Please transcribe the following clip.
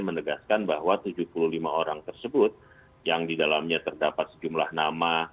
menegaskan bahwa tujuh puluh lima orang tersebut yang didalamnya terdapat sejumlah nama